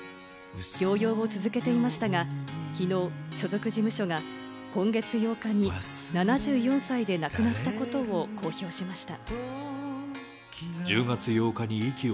療養を続けていましたが、きのう所属事務所が今月８日に７４歳で亡くなったことを公表しました。